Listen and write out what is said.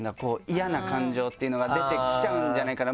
嫌な感情っていうのが出てきちゃうんじゃないかな